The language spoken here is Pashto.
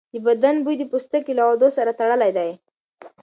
د بدن بوی د پوستکي له غدو سره تړلی دی.